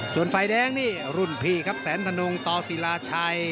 ส่วนไฟแดงนี่รุ่นพี่ครับแสนธนงต่อศิลาชัย